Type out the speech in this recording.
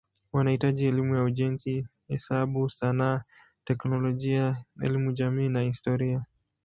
Wanahitaji elimu ya ujenzi, hesabu, sanaa, teknolojia, elimu jamii na historia.